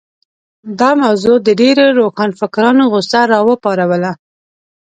دا موضوع د ډېرو روښانفکرانو غوسه راوپاروله.